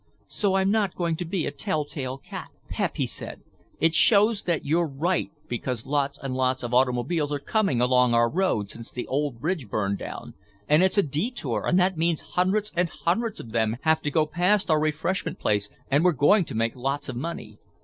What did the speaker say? So I'm not going to be a tell tale cat." "Pep," he said, "it shows that you're right because lots and lots of automobiles are coming along our road since the old bridge burned down and it's a detour and that means hundreds and hundreds of them have to go past our refreshment place and we're going to make lots of money.